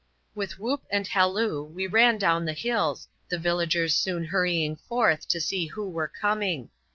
With whoop and halloo, we ran down the hills, the villagers soon hurrying forth to see who were coming.